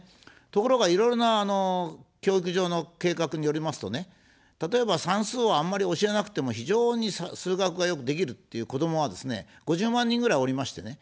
ところが、いろいろな教育上の計画によりますとね、例えば算数をあんまり教えなくても非常に数学がよくできるっていう子どもはですね、５０万人ぐらいおりましてね。